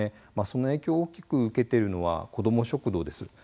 その影響を大きく受けているのが子ども食堂です。